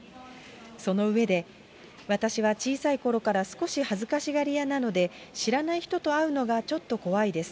その上で、私は小さいころから少し恥ずかしがり屋なので、知らない人と会うのがちょっと怖いです。